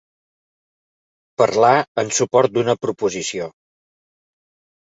Parlar en suport d'una proposició.